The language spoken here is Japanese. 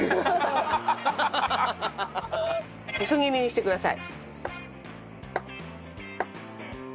細切りにしてください。